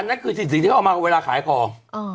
นั่นคือสิ่งที่เขาเอามาเวลาขายของ